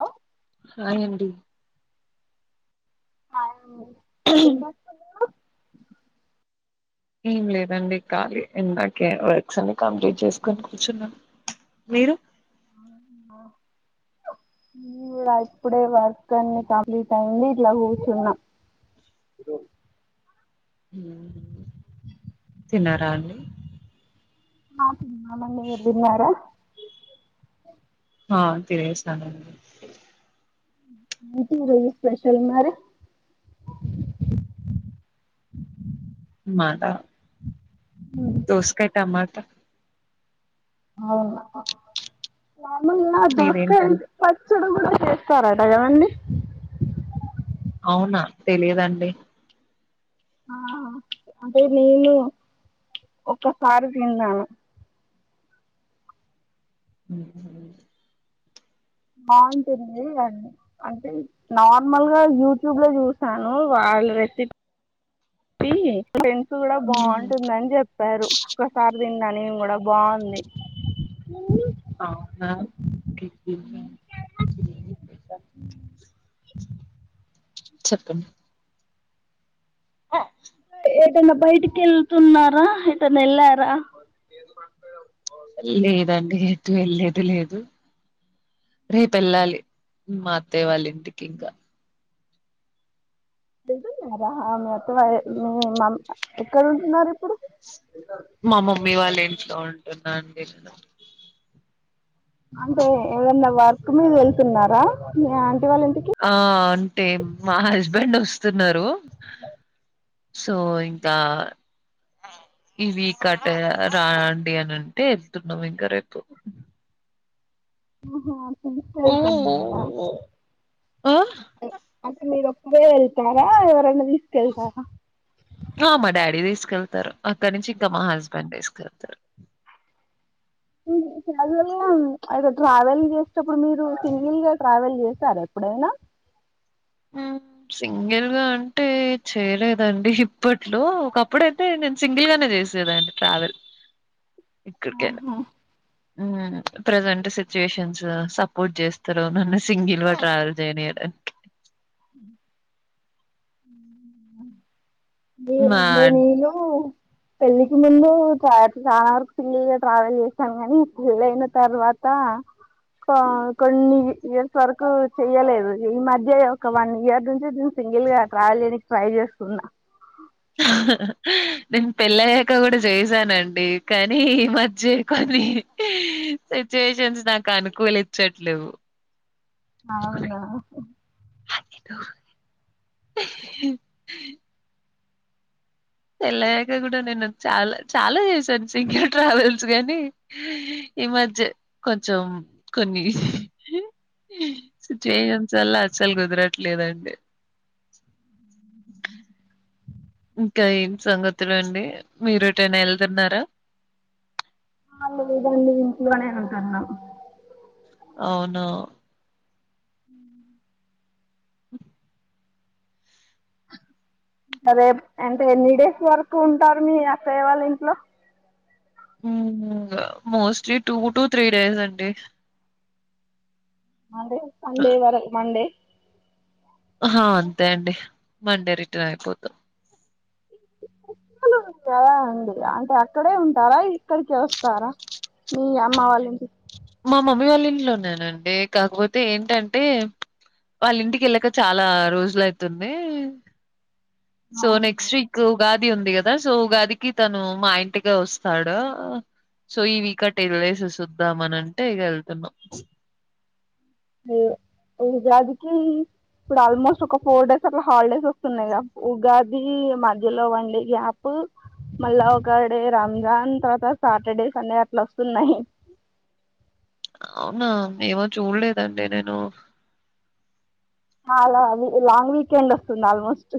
Hello hi అండి. Hi అండి ఏం చేస్తున్నారు ఏం లేదండి ఖాళీ ఇందాకే వర్క్స్ అన్ని కంప్లీట్ చేసుకుని కూర్చున్నాం. మీరు ఆ నిను కూడా ఇప్పుడే వర్క్ అన్ని కంప్లీట్ అయింది ఇట్లా కూర్చున్నా ఈ రోజు మ్మ్ తిన్నారా అండి. ఆ తిన్నామండి మీరు తిన్నారా. ఆ తినేసినాము అండి ఏంటి ఈరోజు స్పెషల్ వండారు [inaudible] మాట దోసకాయ టమాట అవున్ నార్మల్ గా దోసకాయ్ మీదేంటండి పచ్చ్ పచ్చడి కూడా చేస్తారట కాదండి. అవునా తెలియదండి. ఆ అదే నేను ఒక్కసారి తిన్నాను ఉ [inaudible] బాగుంటుంది అంటే నార్మల్ గా యూట్యూబ్ లో చూసాను. కాల్ రతే [unintelligible] ఫ్రెండ్స్ కూడా బాగుంటుందని చెప్పారు ఒకసారి తిన్నా నేను కూడా బాగుంది. అవునా చెప్పు ఆ ఏటన్న బయటికి ఎళ్తున్నారా ఎటైనా ఏళ్లారా. లేదండి ఎటు వెళ్ళేది లేదు. రేపు వెళ్ళాలి మా అత్తయ్య వాళ్ళ ఇంటికి ఇంకా వెళ్తున్నారా మీ అత్తవాళ్ళు మీ మ ఎక్కడ ఉంటున్నారు ఇప్పుడు మా మమ్మీ వాళ్ల ఇంట్లో ఉంటున్నాండి నీను అంటే ఏదన్నా వర్క్ మీద వెళ్తున్నారా వాళ్ళ ఇంటికి ఆ అంటే మా హస్బెండ్ వస్తు వస్తున్నారు సో ఇంకా ఇ వికాటే రాండి అని అంటే వెళ్తుతున్నాం ఇంకా రేపు ఆహా ట్రిప్ కి ఓ ఓ వెళ్తున్నారా ఓ ఆ అద మీరు ఒప్పువే వెళ్తారా ఎవరనా తీసుకెళ్తారా ఆ మా డాడీ తీసుకెళ్తారు అక్కడి నుంచి ఇంకా మా హస్బెండ్ తీసుకెళ్తారు కాజల అయితే ట్రావెల్ చేసేటప్పుడు మీరు సింగిల్ గా ట్రావెల్ చేస్త చె సార ఎప్పుడైనా సింగిల్ గా అంటే చేయలేదండి ఇప్పట్లో ఒకప్పుడయితే నేను సింగిల్ గానే చేసాను అ ట్రావల్ ఆహా ప్రజెంట్ సిచ్యుయేషన్స్ సపోర్ట్ చేస్తారు నన్ను సింగిన్ ట్రావెల్ చేయనిడం [inaudible] మా అంటే నీను పెళ్ళికి ముందు చ చాలా వరకు సిల్లిగా ట్రావెల్ చేస్తాం కాని స్కూల్ అయిన తర్వాత కొన్ని ఇయర్స్ వరకు చెయలేదు ఈ మధ్య ఒక వన్ ఇయర్ నుంచి దేను సింగిల్ గా ట్రావెల్ చేయడానికి ట్రై చేస్తున్నా నేను పెళ్ళయ్యాక కూడా చేశానండి కానీ ఈ మధ్య కొన్ని సిచ్యువేషన్స్ నాకు అనుకూలిచ్చట్లే అవునా [unintelligible] తెలగా కూడాడ నేనుంత చాలా చాలా చేశాను సింగర్ ట్రావెల్స్ గానీ ఈ మధ్య కొంచెం కొని సిచువేషన్స్ వల్ల అసలు కుదరట్లేదండి [inaudible] ఇంకా ఏం సంగతులు అండి మీరుటైనా వెళ్తున్నారా అ ఇు మనే వెతారు నవ అవును అ [inaudible] [inaudible] అరే అంటే ఎన్ని డేస్ వరకు ఉంటారు మీ అక్కడే వాళ్ళ ఇంట్లో mostly two to three days అండి మే సండే వరకు మండే హా అంతే అండి మండే రిటర్న్ అయిపోదు లు ఉ ఎలా అండి అంటే అక్కడే ఉంటారా ఇక్కడికి వస్తారా మీ అమ్మ వాళ్ళంటి మా మమ్మీ వాళ్ళ ఇంట్లో ఉన్నానండి కాకపోతే ఏంటంటే వాళ్ళ ఇంటికి వెళ్ళక చాలా రోజులయితుంది సో నెక్స్ట్ వీక్గా అది ఉంది కదా సో ఉగాదికి తను మా ఇంటిగా వస్తాడు సో ఈ వీక్ ఆ టెన్ డేస్ చూద్దాం అని అంటే వెళ్తున్నాం ఏ జదుకి ఇప్పుడు ఆల్మోస్ట్ ఒక ఫోర్ డేస్ అట్లా హాలిడేస్ వస్తున్నాయి ఉగాది మధ్యలో వన్ డే గ్యాప్ మళ్ళా ఒకకాడే రంజాన్ తర్వాత సాటర్డే సంండే అట్లా వస్తున్నాయి [inaudible] అవునా ఏమో చూడలేదండి నేను లాంగ్ వీకెండ్ వస్తుంది ఆల్మోస్ట్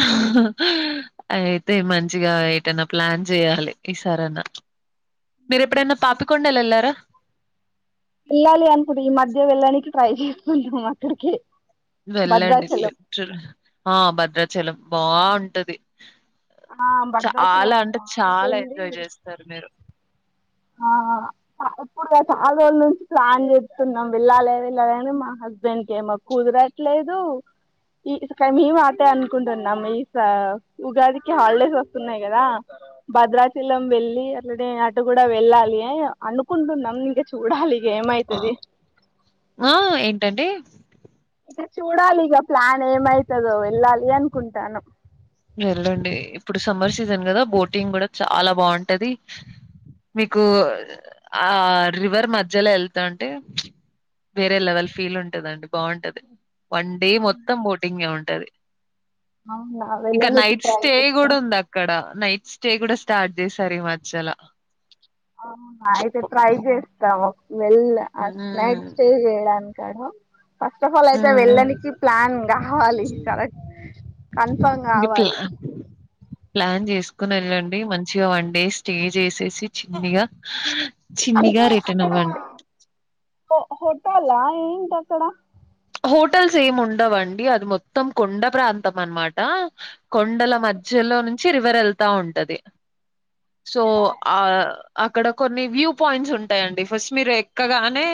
అ అయితే మంచిగా ఏటన్నా ప్లాన్ చేయాలి ఈ సరనా మీర ఎప్పుడైనా పాపికొండలు వెళ్లారా వెళ్ళాలి అనుకుం ఈ మధ్య వెళ్ళడానికి ట్రై చేసుకుంటాము అక్కడికి వెళ్ళండి భద్రాచలం [unintelligible] ఆ భద్రాచలం బావుంటది ఆ చాలా భద్రాచలం అంటే చాలా బాగుంటుంది ఎంజాయ్ చేస్తారు మీరు ఆ ఏప్పుడు చాల రోజుల నుంచి ప్లాన్ చేస్తున్నాం వెళ్ళాలి వెళ్ళాలని మా హస్బెండ్ క్ ఏమో కుదరట్లేదు దు ఈ మేము అటే అనుకుంటున్నాం ఈ స ఉగాదికి హాలిడేస్ వస్తున్నాయి కదా భద్రాచలం వెళ్లి అట్లనే అటు కూడా వెళ్ళాలి అనుకుంటున్నాం ఇంక చూడాలి ఇక ఆ ఏమైతది ఆ ఏంటండి ఇక చూడాలి ఇక ప్లాన్ ఏమైతదో వెళ్ళాలి అనుకుంటానమ్ వెల్ళండి ఇప్పుడు సమ్మర్ సీజన్ కదా బోటింగ్ కూడా చాలా బాగుంటది మీకు ఆ రివర్ మధ్యలో వెళ్తంటే వేరే లెవెల్ ఫీల్ ఉంటదండి బాగుంటది వన్ డే మొత్తం బోటింగే ఉంటది అవునా ఇంకా వెళ్ళనికి నైట్ ట్రై స్టే చేస్తాం కూడా ఉంది అక్కడ నైట్ స్టే కూడా స్టార్ట్ చేశారు ఈ మధ్యల అవున అయితే ట్రై చేస్తాము వెల్ నైట్ ఉమ్ స్టే చేయడానికి ఫస్ట్ ఆఫ్ ఆల్ అయితే ఉమ్ వెళ్ళనికి ప్లాన్ కావాలి సర కన్ఫం కావాలి ఇంక ప్లాన్ చేస్ తీసుకుని వెళ్ళండి మంచిగా వన్ డే స్టే చేసేసి చిన్నిగా చిన్నిగా అంటే రిటన్ అక్కడ అవ్వండి హో హోటా ఏంట్ అక్కడ హోటల్స్ ఎం ఉండవ్ అది మొత్తం కొండ ప్రాంతం అనిమాట కొండల మధ్య లో నుంచి రివర్ వెళ్తా ఉంటది [unintelligible] [inaudible] సో ఆ అక్కడ కొన్ని వ్యూ పాయింట్స్ ఉంటాయండి ఫస్ట్ మీరు ఎక్కగానే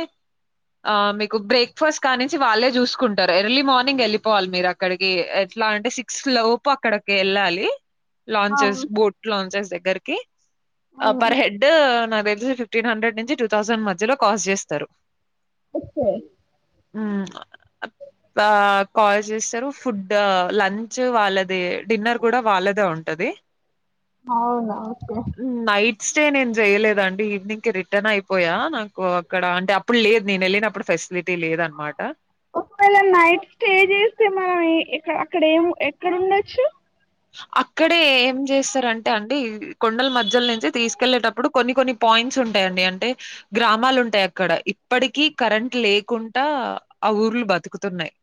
ఆ మీకు బ్రేక్ఫాస్ట్ కానీ చి వాళ్ళే చూసుకుంటారు ఎర్లీ మార్నింగ్ వెళ్ళిపోవాలి మీరు అక్కడికి ఎట్లా అంటే సిక్స్ లోపు అక్కడికి ఎల్ వెళ్ళాలి ఆ లాంచెస్ బోట్ లాంచెస్ దగ్గరికి ఆ పర్ హెడ్ న తెలిసి ఫిఫ్టీన్ హండ్రెడ్ నుంచి టూ థౌజండ్ మధ్యలో కాస్ట్ చేస్తారు ఒకే కాల్ చేస్తారు ఫుడ్ లంచ్ వాళ్ళదే డిన్నర్ కూడా వాళ్ళదే ఉంటది అవున ఓకే నైట్ స్టే నేను చేయలేద ఆండీ ఈవినింగ్ కి రిటర్ అయిపోయా నాకు అక్కడ అంటే అప్పుడు లేదు నేను వెళ్ళినప్పుడు ఫెస్ట్ సిలిటీ లేదన్ ఒకవేళ నైట్ స్టే చేస్తే మనం ఏ అక్కడ ఏం ఎక్కడ ఉండొచ్చు అక్కడే ఏం చేస్తారంటే అండి కొండల మధ్యల నుంచి తీసుకెళ్ళలేటప్పుడు కొన్ని కొన్ని పాయ్ ట్స్ ఉంటాయిడి అంటే గ్రామాలుంటాయి అక్కడ ఇప్పటికి కరెంట్ లేకుండా అవ్ ఊర్లు బతుకుతున్నాయి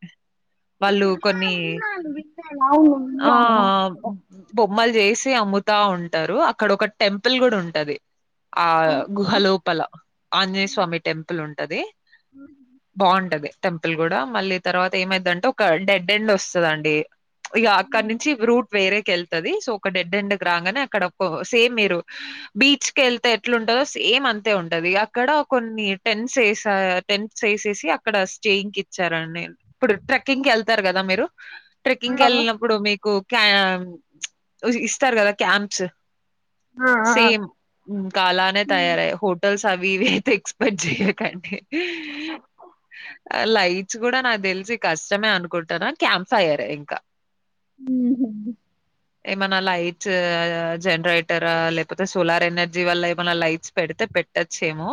ఒకే వాళ్ళు ఆహా కొన్ని విన్నాను విన్నాను అవును ఆ విన్నాను బొమ్మలు చేసి అమ్ముతా ఉంటారు అక్కడ ఒక టెంపుల్ కూడా ఉంటది ఆ ఆహా. గుహలోపల ఆంజనేయ స్వామి టెంపుల్ ఉంటది బాగుంటది టెంపుల్ కూడా మళ్ళీ తర్వాత ఏమైతుంటే ఒక డెడ్ ఎండ్ వస్తదండి ఇక అక్కడ నుంచి రూట్ వేరేక వెళ్తుది సో ఒక డెడ్ ఎండ్ గ్రాంగానే అక్కడ ఒక సేమ్ మీరు బీచ్ క వెళ్తే ఎట్లుంట సేమ్ అంతే ఉంటది అక్కడ కొన్ని టెన్ సేస్ టెన్ సేసేసి అక్కడ స్టేయి ఇచ్చార అండి ఇప్పుడు ట్రెక్కింగ్ వెళ్తారు కదా మీరు ట్రెక్కింగ్ వెళ్ళినప్పుడు మీకు క్యామ్ ఇస్తారు కదా క్యాంప్స్ సేమ్ ఇంకా అలానే తయారయ్య హోటల్స్ అవి ఇవి అయితే ఎక్స్పెక్ట్ చెయకండి అహు లైట్స్ కూడా నాకు తెలిసి కష్టమే అనుకుంటుర క్యాంప్ ఫైయరే ఇంకా ఉహు ఏమైనా లైట్స్ జనరేటర్ ఆ లేకపోతే సోలార్ ఎనర్జీ వల్ల ఏమైనా లైట్స్ పెడితే పెట్టచ్చు ఏమో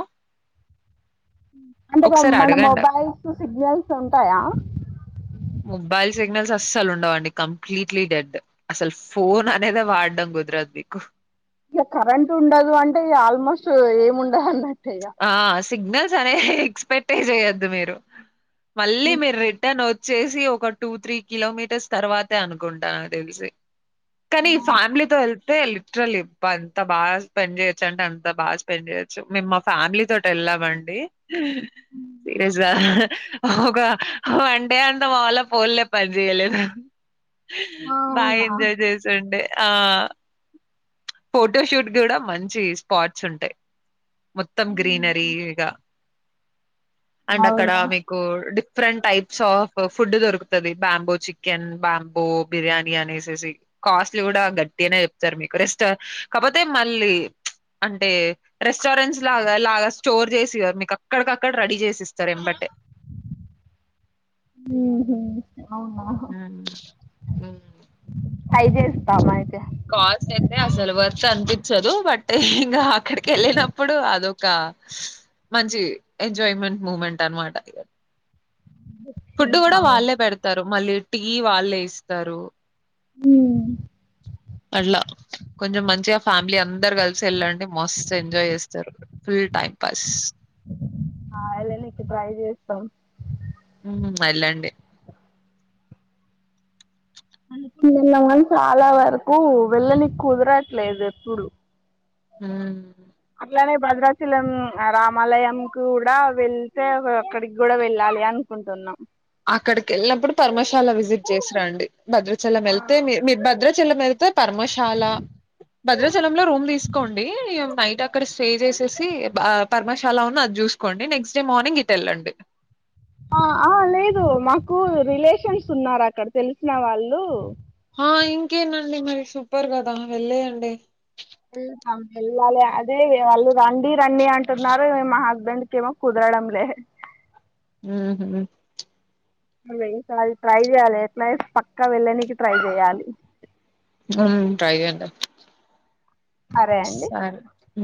అంటే బ మన అడగండి మొబైల్స్ సిగ్నల్స్ ఉంటాయా మొబైల్ సిగ్నల్స్ అసల్ ఉండవండి కంప్లీట్ ఇట్లీ డెడ్ అసలు ఫోన్ అనేది వాడమ్ కుదరద్ నీకు ఇక కరెంట్ ఉండదు అంటే ఇక ఆల్మోస్ట్ ఏము ఉండదు అన్నట్టే ఇక ఆ! సిగ్నల్స్ అనే ఎక్స్పెక్ట్ చేయొద్దు మీరు మళ్ళీ మీరు రిటర్న్ వ చ్చేసి ఒక టూ త్రీ కిలోమీటర్స్ తర్వాతే అనుకుంటాను తెలిసి కానీ ఈ ఫ్యామిలీతో ఏల్ అదే లిటరల్లీ అబ్బా అంత బాగా స్పెండ్ చేయొచ్చు అంటే అంత బాగా స్పెండ్ చేయొచ్చు మిమ్మ ఫ్యామిలీ తోటి వెళ్ళామండి సీరియస్గా ఒక వన్ డే అంత మా వొళ్ల పోన్లే పని చేయలేదు బాగా అవునా ఎంజాయ్ చేసి ఉండే ఆ ఫోటోషూట్ కూడా మంచి స్పాట్స్ ఉంటాయి మొత్తం గ్రీనరీగా అండ్ అక్కడ మీకు డిఫరెంట్ టైప్స్ ఆ ఫుడ్ దొరుకుతుంది బాంబో చికెన్ బాంబో బిర్యానీ అనేసేసి కాస్ట్ కూడా గట్ గట్టిగానే చెప్తారు మీకు రెస్ట్ ఆ కాకపోతే మళ్ళీ అంటే రెస్ట్ రెస్టారెంట్స్ లాగా లాగా స్టోర్ చేసి కాదు మీకు అక్కడికక్కడ రెడీ చేసి ఇస్తారు ఎంబటే ఉహు అవునా ఫైజి ఇస్తామయి కాస్ట్ అయితే అసలు వర్త్ అనిపించదు బట్ ఇంకా అక్కడికి వెళ్ళినప్పుడు అదొక మంచి ఎంజాయ్మెంట్ మూమెంట్ అనమాట ఫుడ్ కూడా వాళ్ళే పెడతారు మళ్ళీ టీ వాళ్ళే ఇస్తారు అట్లా కొంచెం మంచిగా ఫ్యామిలీ అం అందరు కలిసి వెళ్ళండి మస్త్ ఎంజాయ్ చేస్తారు ఫుల్ టైం పాస్ ఆ వెళ్ళ నీకి ట్రై చేస్తాం ఉ వెళ్ళండి పిల్లలమను చాలా వరకు వెళ్ళనికి కుదరట్లేదు ఎప్పుడు ఉ అట్లానే భద్రాచలం రామాలయం కూడా వెళ్తే అక్కడికి కూడా వెళ్ళాలి ఏ అనుకుంటున్నాం అక్కడికి వెళ్ళినప్పుడు పరమశాల విజిట్ చేసిరండి భద్రాచలం వెళ్తే మీ మీ భద్రాచలం వెళ్తే పర్మశాల భద్రాచలం లో రూమ్ తీసుకోండి నైట్ ఇగా అక్కడ స్టే చేసేసి పర్మశాల ఉన్న అది చూసుకోండి నెక్స్ట్ డే మార్నింగ్ ఇటు వెళ్ళండి ఆ ఆ లేదు మాకు రిలేషన్స్ ఉన్నారు అక్కడ తెలిసిన వాళ్ళు ఆ ఇంకేనండి మరి సూపర్ కదా వెళ్ళేయండి వెళ్ళాలి అదే వాళ్ళు రండి రండి అంటున్నారు మహాబ్ హస్బెండ్ కేమో కుదరడం లే ఉహు ఉన్నాయి ట్రై చేయ్యాలి ఎట్లా చేసి పక్కా వెళ్ళనికి ట్రై చేయాలి ఉ ట్రై అంట అరే అండి ఉ